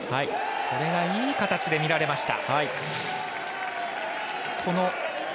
それがいい形で見られました。